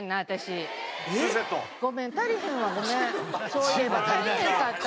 そういえば足りへんかった。